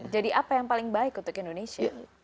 jadi apa yang paling baik untuk indonesia